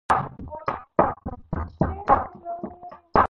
د تیزابو او القلیو ښودونکي مهم دي.